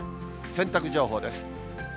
洗濯情報です。